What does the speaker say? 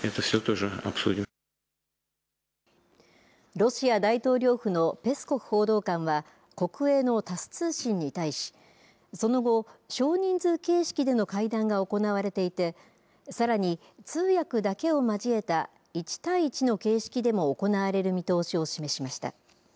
ロシア大統領府のペスコフ報道官は国営のタス通信に対し、その後、少人数形式での会談が行われていて、さらに、通訳だけを交えた１対１の形式でも行われる見通しを示しました。